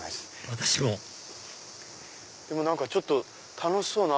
私もでもちょっと楽しそうな。